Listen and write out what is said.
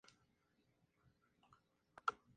Agostino Baroni.